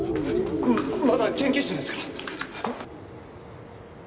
まだ研究室ですか？